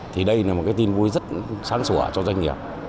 thì đây là một cái tin vui rất sáng sủa cho doanh nghiệp